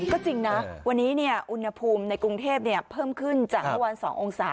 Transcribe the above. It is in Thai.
ก็จริงนะวันนี้อุณหภูมิในกรุงเทพเพิ่มขึ้นจากเมื่อวาน๒องศา